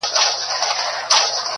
ساقي پر ملا را خمه سه پر ملا در مات دی.